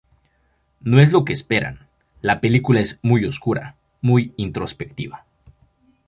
No es lo que esperan; la película es muy oscura, muy introspectiva.